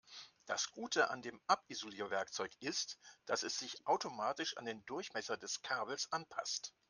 Das Gute an dem Abisolierwerkzeug ist, dass es sich automatisch an den Durchmesser des Kabels anpasst.